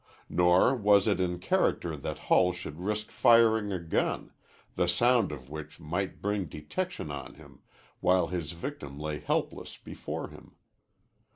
Nor was it in character that Hull should risk firing a gun, the sound of which might bring detection on him, while his victim lay helpless before him.